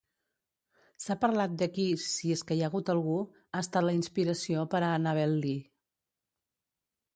S'ha parlat de qui, si és que hi ha hagut algú, ha estat la inspiració per a "Annabel Lee".